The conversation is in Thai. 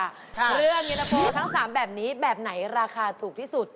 เครื่องเย็นตะโฟทั้ง๓แบบนี้แบบไหนราคาถูกที่สุด